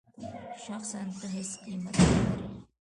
شخصاً ته هېڅ قېمت نه لرې.